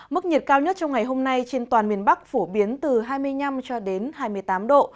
mức nhiệt cao nhất trong ngày hôm nay trên toàn miền bắc phổ biến từ hai mươi năm cho đến hai mươi tám độ